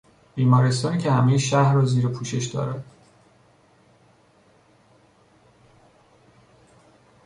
بیمارستانی که همهی شهر را زیر پوشش دارد